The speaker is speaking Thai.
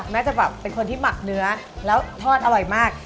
แม่จะแบบเป็นคนที่หมักเนื้อแล้วทอดอร่อยมาก